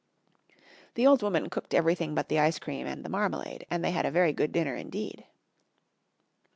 The old woman cooked everything but the ice cream and the marmalade, and they had a very good dinner indeed.